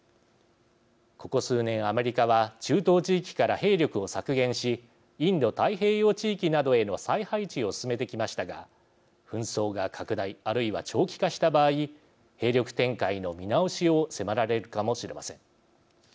ここ数年アメリカは中東地域から兵力を削減しインド太平洋地域などへの再配置を進めてきましたが紛争が拡大あるいは長期化した場合兵力展開の見直しを迫られるかもしれません。